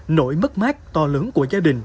nỗi mất mát to lớn của gia đình